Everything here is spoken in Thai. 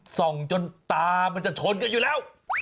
ส่องจนตามันจะชนกันอยู่แล้ว